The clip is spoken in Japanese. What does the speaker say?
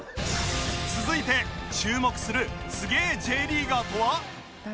続いて注目するすげえ Ｊ リーガーとは？